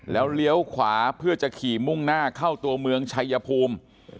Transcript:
แล้วเลี้ยวขวาเพื่อจะขี่มุ่งหน้าเข้าตัวเมืองชายภูมิ